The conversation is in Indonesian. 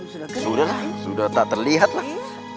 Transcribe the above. sudah lah sudah tak terlihat lah